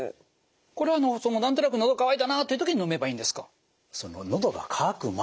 これは何となくのど渇いたなっていう時に飲めばいいんですか？